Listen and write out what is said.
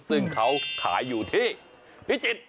ซึ่งเขาขายอยู่ที่พิจิตร